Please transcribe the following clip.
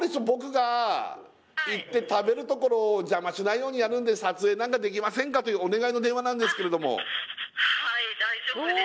僕が行って食べるところを邪魔しないようにやるんで撮影なんかできませんかというお願いの電話なんですけれどもお！